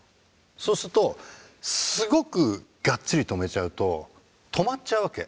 そうするとすごくガッチリ留めちゃうと止まっちゃうわけ。